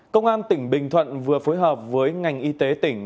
công an tỉnh bình thuận vừa phối hợp với ngành y tế tỉnh